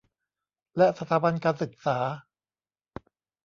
และสถาบันการศึกษา